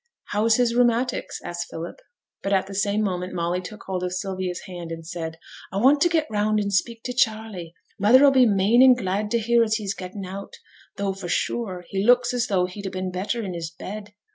'How's his rheumatics?' asked Philip. But at the same moment Molly took hold of Sylvia's hand, and said 'A want t' get round and speak to Charley. Mother 'll be main and glad to hear as he's getten out; though, for sure, he looks as though he'd ha' been better in 's bed.